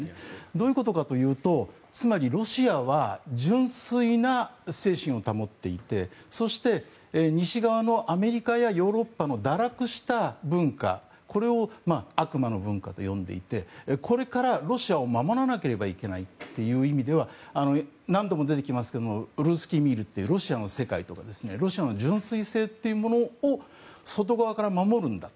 どういうことかというとつまりロシアは純粋な精神を保っていてそして、西側のアメリカやヨーロッパの堕落した文化を悪魔の文化と呼んでいてこれからロシアを守らなければいけないという意味では何度も出てきますけどもウルスキミールってロシアの世界とかロシアの純粋性というものを外側から守るんだ。